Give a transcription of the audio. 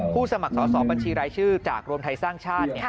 สมัครสอบบัญชีรายชื่อจากรวมไทยสร้างชาติ